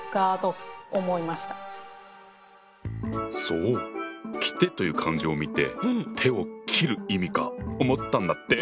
そう「切手」という漢字を見て手を切る意味か思ったんだって。